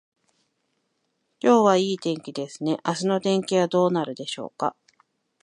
今日はいい天気ですね。明日の天気はどうなるでしょうか。